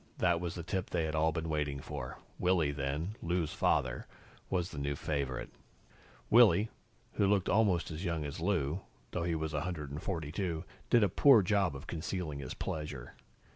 That was the tip they had all been waiting for. Willy, then Lou's father was the new favorite. Willy, who looked almost as young as Lou, though he was 142, did a poor job of concealing his pleasure.